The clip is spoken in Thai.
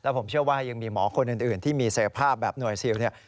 ผมเชื่อว่ายังมีหมอคนอื่นที่มีเสยภาพแบบหน่วยซิลเนี่ย